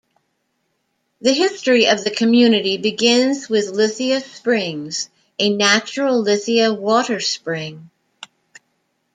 The history of the community begins with Lithia Springs, a natural lithia water spring.